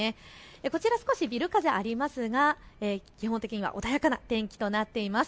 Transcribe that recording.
こちら少しビル風がありますが基本的には穏やかな天気となっています。